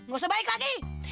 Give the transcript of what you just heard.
gak usah balik lagi